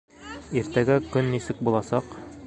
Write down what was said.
Иртәгә көн нисек буласаҡ?